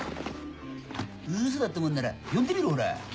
ウソだと思うんなら読んでみろほら。